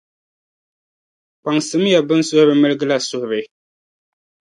kpaŋsimiya bɛn suhuri miligi la suhuri.